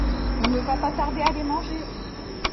On ne va pas tarder à aller manger!